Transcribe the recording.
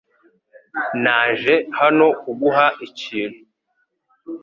Naje hano kuguha ikintu .